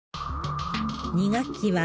２学期は、